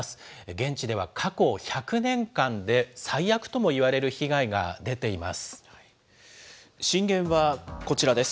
現地では過去１００年間で最悪ともいわれる被害が出ています。